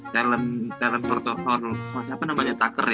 talent talent protosol siapa namanya tucker ya